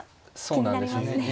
そうなんですよね。